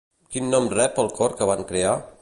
Quin nom rep el cor que van crear?